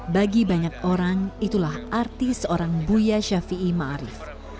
bagi banyak orang itulah arti seorang buya shafi'i ma'arif